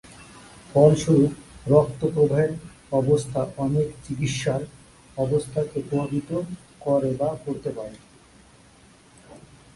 ফলস্বরূপ, রক্ত প্রবাহের অবস্থা অনেক চিকিত্সার অবস্থাকে প্রভাবিত করে বা করতে পারে।